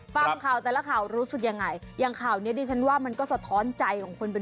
ฟังข่าวแต่ละข่าวรู้สึกยังไง